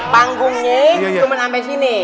banggungnya cuma sampai sini